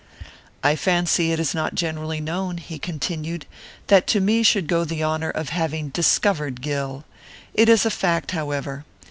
'I fancy it is not generally known,' he continued, 'that to me should go the honour of having "discovered" Gill. It is a fact, however.